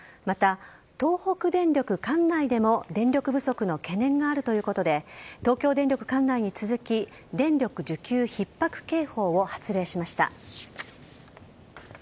また東北電力管内でも電力不足の懸念があるということで、東京電力管内に続き、電力需給ひっ迫警報を発令しました。